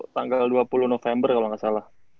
tanggal dua puluh november kalau nggak salah